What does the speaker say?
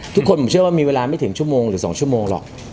ทุกคนผมเชื่อว่ามีเวลาไม่ถึงชั่วโมงหรือ๒ชั่วโมงหรอก